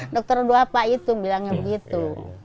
dokter dua apa itu bilangnya begitu